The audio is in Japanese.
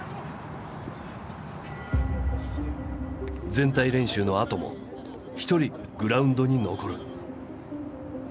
全体練習のあとも一人グラウンドに残る。